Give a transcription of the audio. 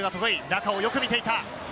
中をよく見ていた。